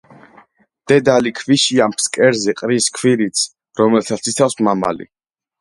დედალი ქვიშიან ფსკერზე ყრის ქვირითს, რომელსაც იცავს მამალი.